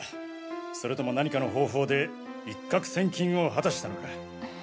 それとも何かの方法で一攫千金を果たしたのか？